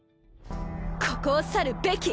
ここを去るべき？